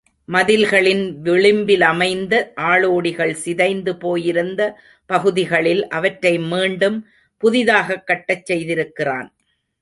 மதில்களின் விளிம்பிலமைந்த ஆளோடிகள் சிதைந்து போயிருந்த பகுதிகளில், அவற்றை மீண்டும் புதிதாகக் கட்டச் செய்திருக்கிறான்.